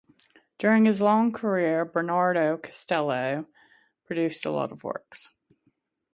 During his long career Bernardo Castello produced a lot of works.